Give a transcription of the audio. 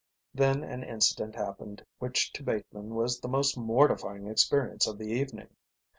Then an incident happened which to Bateman was the most mortifying experience of the evening.